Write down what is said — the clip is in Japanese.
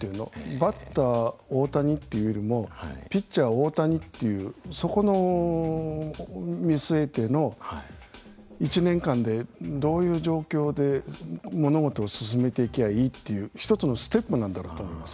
バッター大谷っていうよりもピッチャー大谷っていうそこを見据えての１年間でどういう状況で物事を進めていけばいいっていう一つのステップなんだろうと思います